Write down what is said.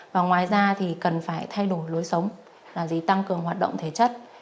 và ngoài ra thì cần phải thay đổi lối sống là gì tăng cường hoạt động thể chất